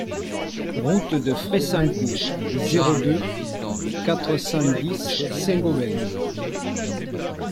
Route de Fressancourt, zéro deux, quatre cent dix Saint-Gobain